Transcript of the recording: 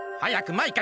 マイカ！